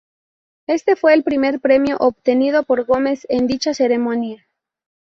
Este fue el primer premio obtenido por Gomez en dicha ceremonia.